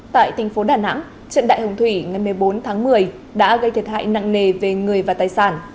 tại thành phố đà nẵng trận đại hồng thủy ngày một mươi bốn tháng một mươi đã gây thiệt hại nặng nề về người và tài sản